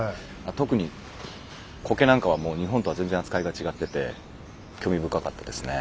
特に苔なんかはもう日本とは全然扱いが違ってて興味深かったですね。